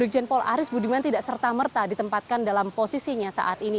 irjen paul aris budiman tidak serta merta ditempatkan dalam posisinya saat ini